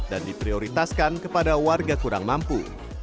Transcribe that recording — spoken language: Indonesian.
dan diprioritaskan kepada warga kurang mampu